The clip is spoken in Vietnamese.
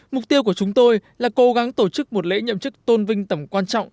mục tiêu của chúng tôi là cố gắng tổ chức một lễ nhậm chức tôn vinh tầm quan trọng